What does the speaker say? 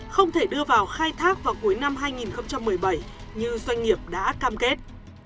không thể đưa vào khai thác vào cuối năm hai nghìn một mươi bảy như doanh nghiệp đã cam kết